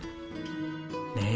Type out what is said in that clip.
ねえ。